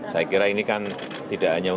saya kira ini kan tidak hanya untuk